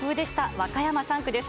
和歌山３区です。